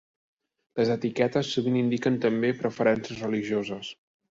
Les etiquetes sovint indiquen també preferències religioses.